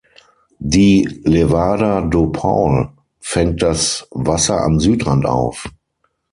Die "Levada do Paul" fängt das Wasser am Südrand auf.